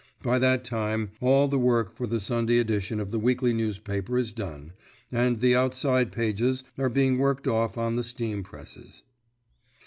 By that time all the work for the Sunday edition of the weekly newspaper is done, and the outside pages are being worked off on the steam presses.